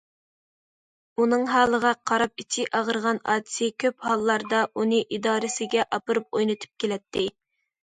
ئۇنىڭ ھالىغا قاراپ ئىچى ئاغرىغان ئاچىسى كۆپ ھاللاردا ئۇنى ئىدارىسىگە ئاپىرىپ ئوينىتىپ كېلەتتى.